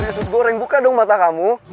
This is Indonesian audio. putri usus goreng buka dong mata kamu